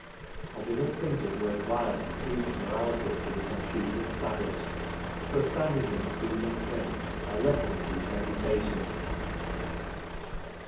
" I didn't think it worth while to preach morality to this untutored savage, so, standing him a soothing drink, I left him to his meditations.